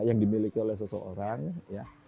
yang dimiliki oleh seseorang ya